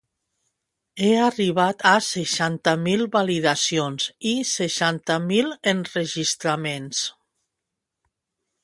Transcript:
He arribat a seixanta mil validacions i seixanta mil enregistraments